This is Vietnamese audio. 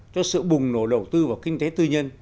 cho sự bùng nổ đầu tư vào kinh tế tư nhân